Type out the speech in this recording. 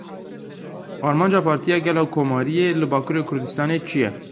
Armanca Partiya Gel a Komariyê li Bakurê Kurdistanê çi ye?